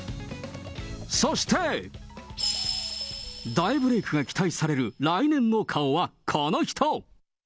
そして、大ブレークが期待される来年の顔はこの人。